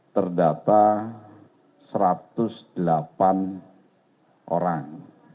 terdata satu ratus delapan orang